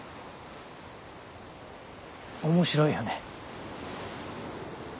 面白いよね。